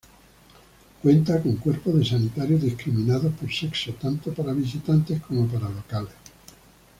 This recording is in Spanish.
Cuenta con cuerpos de sanitarios discriminados por sexo, tanto para visitantes como para locales.